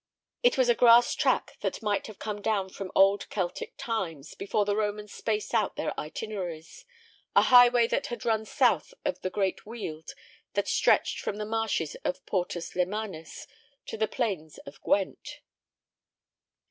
It was a grass track that might have come down from old Celtic times, before the Romans spaced out their Itineraries, a highway that had run south of the great weald that stretched from the marshes of Portus Lemanis to the plains of Gwent.